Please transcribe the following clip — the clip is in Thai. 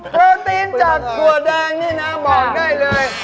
โปรตีนจากถั่วแดงนี่นะบอกได้เลย